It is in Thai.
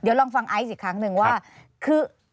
เดี๋ยวลองฟังไอซ์อีกครั้งหนึ่งว่าคือ